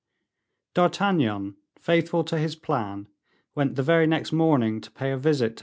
D'Artagnan, faithful to his plan, went the very next morning to pay a visit to M.